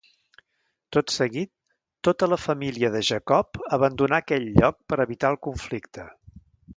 Tot seguit, tota la família de Jacob abandonà aquell lloc per evitar el conflicte.